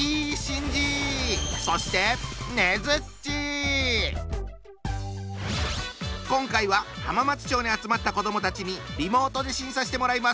そして今回は浜松町に集まった子どもたちにリモートで審査してもらいます！